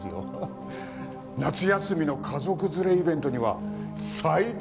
夏休みの家族連れイベントには最適でしょ？